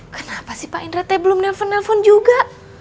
kenapa si pak indra teh belum nelfon nelfon juga